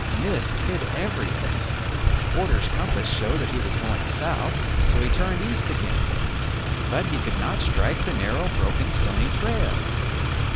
Mist hid everything. Forder's compass showed that he was going south; so he turned east again; but he could not strike the narrow, broken, stony trail.